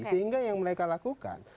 sehingga yang mereka lakukan